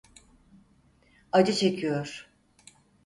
Acı çekiyor.